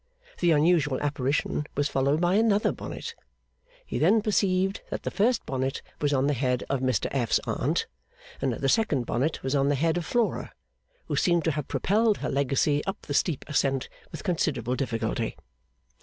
The unusual apparition was followed by another bonnet. He then perceived that the first bonnet was on the head of Mr F.'s Aunt, and that the second bonnet was on the head of Flora, who seemed to have propelled her legacy up the steep ascent with considerable difficulty.